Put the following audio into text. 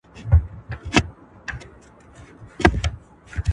بل غوښتلې ځان وژنه یو ډول دی.